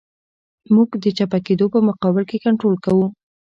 موږ د چپه کېدو په مقابل کې کنټرول کوو